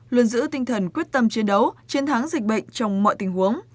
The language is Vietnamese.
luôn giữ tinh thần quyết tâm chiến đấu chiến thắng dịch bệnh trong mọi tình huống